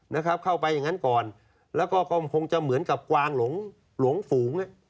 นะครับเข้าไปอย่างนั้นก่อนแล้วก็ก็คงจะเหมือนกับกวางหลงหลงฝูง